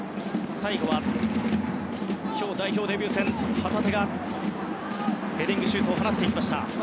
最後は、今日代表デビュー戦の旗手がヘディングシュートを放っていきました。